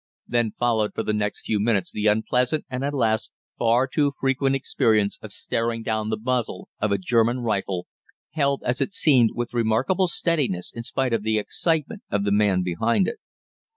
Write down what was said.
Then followed for the next few minutes the unpleasant and, alas! far too frequent experience of staring down the muzzle of a German rifle, held as it seemed with remarkable steadiness in spite of the excitement of the man behind it.